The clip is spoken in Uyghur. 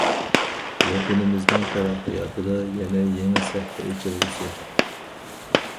ۋەتىنىمىزنىڭ تەرەققىياتىدا يەنە يېڭى سەھىپە ئېچىلغۇسى.